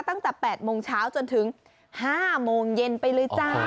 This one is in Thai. ตั้งแต่๘โมงเช้าจนถึง๕โมงเย็นไปเลยจ้า